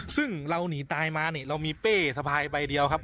ซึ่งเราหนีตายมานี่เรามีเป้สะพายใบเดียวครับ